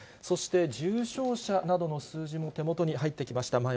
そして、重症者などの数字も手元に入ってきました。